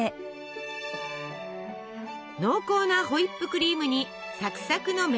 濃厚なホイップクリームにサクサクのメレンゲ。